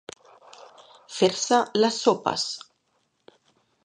Fer-se les sopes.